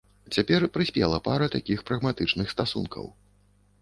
Цяпер прыспела пара такіх прагматычных стасункаў.